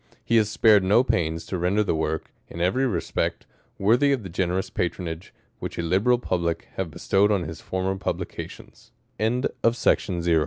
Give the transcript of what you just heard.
He has spared no pains to render the Work, in every respect, worthy Jfthe generous patronage, which a liberal public have '^estowed on his former pub